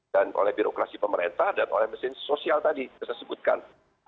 dan oleh birokrasi pemerintah dan oleh mesin sosial tadi yang saya sebutkan